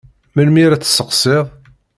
Melmi ara tt-tesseqsiḍ?